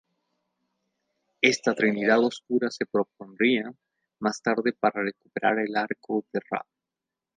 Esta "Trinidad oscura" se propondría más tarde para recuperar el Arco de Ra.